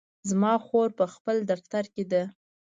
زما خور په خپل دفتر کې ده